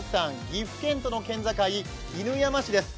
岐阜県との県境犬山市です。